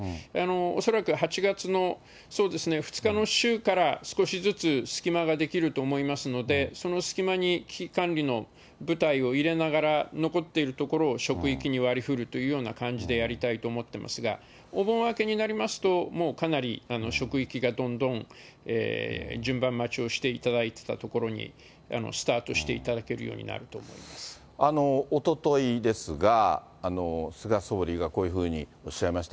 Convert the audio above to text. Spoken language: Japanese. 恐らく８月の、そうですね、２日の週から少しずつ隙間が出来ると思いますので、その隙間に危機管理の部隊を入れながら、残っているところを職域に割りふるという感じでやりたいと思っていますが、お盆明けになりますと、もうかなり職域がどんどん、順番待ちをしていただいたところにスタートしていただけるようにおとといですが、菅総理はこういうふうにおっしゃいました。